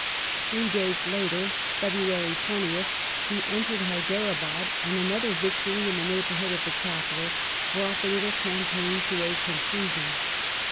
Three days later (Feb. 20th) he entered Haidarabad, and another victory in the neighbourhood of the capital brought the little campaign to a conclusion.